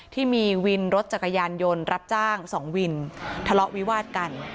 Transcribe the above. ที่มีวินรถจักรยานยนต์รับจ้างสองวินทะเลาะวิวาดกัน